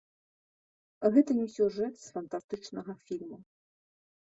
Гэта не сюжэт з фантастычнага фільму.